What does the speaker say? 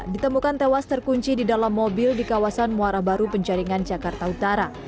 ditemukan tewas terkunci di dalam mobil di kawasan muara baru penjaringan jakarta utara